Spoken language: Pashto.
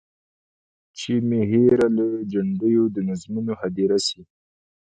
چي مي هېره له جنډیو د نظمونو هدیره سي.